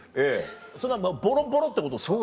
それはボロボロってことですか？